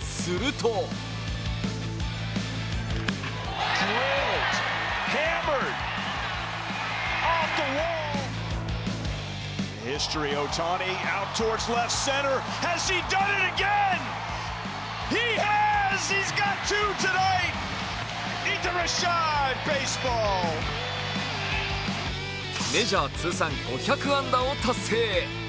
するとメジャー通算５００安打を達成。